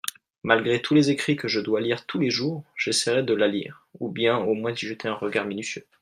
malgré tous les écrits que je dois lire tous les jours j'essaierai de la lire, ou bien au moins d'y jeter un regard minutieux.